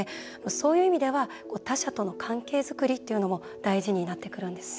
そういう意味では他者との関係作りというのも大事になってくるんですか。